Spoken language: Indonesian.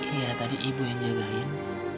iya tadi ibu yang jagain